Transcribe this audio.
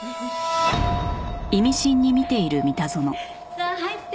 さあ入って。